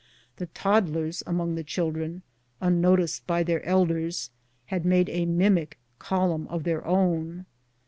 The toddlers among the children, unnoticed by their elders, had made a mimic column of their own.